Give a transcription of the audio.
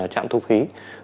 trạm thu phí